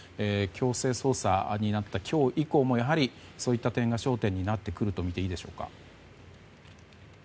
強制捜査になった今日以降もやはりそういった点が焦点になってくるとみていいでしょうか。